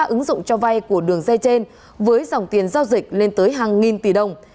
ứng dụng cho vay của đường dây trên với dòng tiền giao dịch lên tới hàng nghìn tỷ đồng